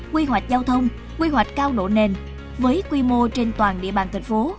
quy hoạch giao thông quy hoạch cao độ nền với quy mô trên toàn địa bàn thành phố